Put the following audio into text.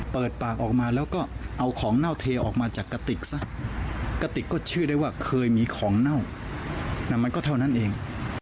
เปิดปากออกมาแล้วก็เอาของเน่าเทออกมาจากกระติกซะกะติกก็เชื่อได้ว่าเคยมีของเน่าแต่มันก็เท่านั้นเอง